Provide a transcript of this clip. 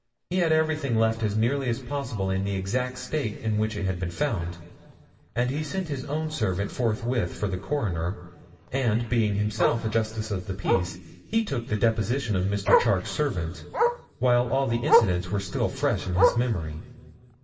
He had everything left as nearly as possible in the exact state in which it had been found, and he sent his own servant forthwith for the coroner, and, being himself a justice of the peace, he took the depositions of Mr. Charke's servant while all the incidents were still fresh in his memory.'